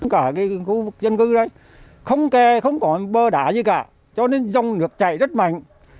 cả khu vực dân cư này không kè không còn bơ đá gì cả cho nên dòng nước chạy rất mạnh